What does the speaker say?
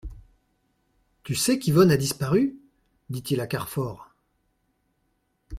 Tu sais qu'Yvonne a disparu ? dit-il à Carfor.